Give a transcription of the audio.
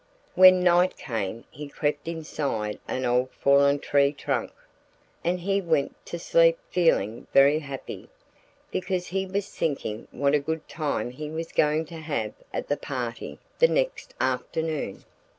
When night came he crept inside an old fallen tree trunk. And he went to sleep feeling very happy, because he was thinking what a good time he was going to have at the party the next afternoon.